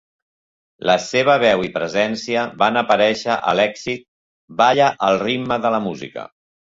La seva veu i presència van aparèixer a l'èxit "Balla al ritme de la música".